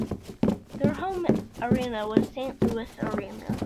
Their home arena was Saint Louis Arena.